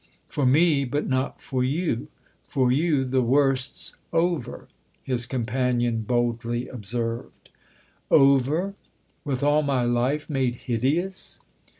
" For me, but not for you. For you the worst's over," his companion boldly observed. 296 THE OTHER HOUSE " Over? with all my life made hideous